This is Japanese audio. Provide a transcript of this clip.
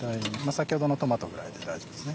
先ほどのトマトぐらいで大丈夫です